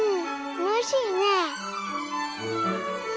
おいしいね。